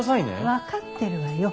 分かってるわよ。